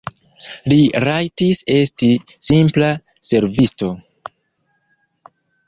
Li rajtis esti simpla servisto.